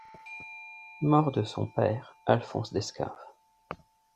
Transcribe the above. Mort de son père Alphonse Descaves.